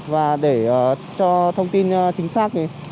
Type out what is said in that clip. và để cho thông tin chính xác